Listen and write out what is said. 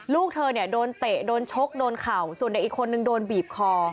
ลูกเธอเนี่ยโดนเตะโดนชกโดนเข่าส่วนเด็กอีกคนนึงโดนบีบคอ